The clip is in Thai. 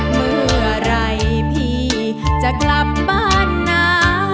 เมื่อไหร่พี่จะกลับบ้านนะ